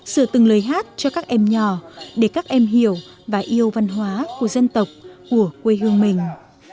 sửa từng lời hát cho các em nhỏ để các em hiểu và yêu văn hóa của dân tộc của quê hương mình